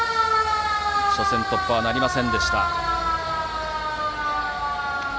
初戦突破はなりませんでした。